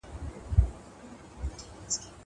هغه څوک چي سبزېجات جمع کوي قوي وي.